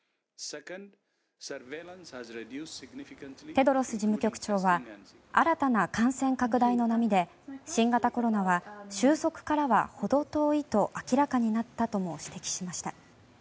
テドロス事務局長は新たな感染拡大の波で新型コロナは終息からは程遠いと明らかになったとも指摘しました。